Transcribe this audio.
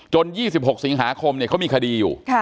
จน๒๖สิงหาคมเนี่ยเขามีคดีอยู่